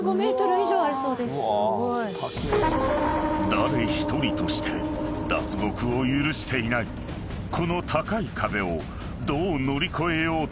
［誰一人として脱獄を許していないこの高い壁をどう乗り越えようというのか？］